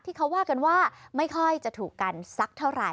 ที่เขาว่ากันว่าไม่ค่อยจะถูกกันสักเท่าไหร่